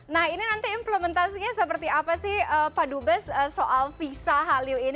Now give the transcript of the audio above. nah ini nanti implementasinya seperti apa sih pak dubes soal visa hallyu ini